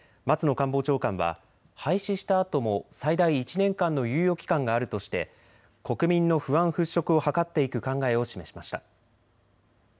官房長官は廃止したあとも最大１年間の猶予期間があるとして国民の不安払拭を図っていく考えを示しました。